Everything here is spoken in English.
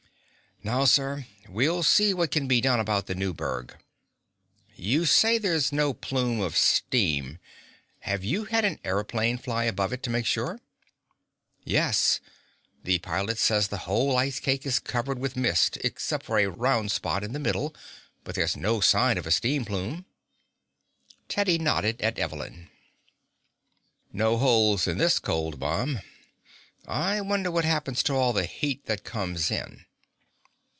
"Now, sir, we'll see what can be done about the new berg. You say there's no plume of steam. Have you had an aëroplane fly above it to make sure?" "Yes. The pilot says the whole ice cake is covered with mist, except for a round spot in the middle, but there's no sign of a steam plume." Teddy nodded at Evelyn. "No holes in this cold bomb. I wonder what happens to all the heat that comes in?"